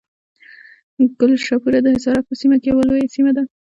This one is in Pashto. کلشپوره د حصارک په سیمه کې یوه لویه سیمه ده.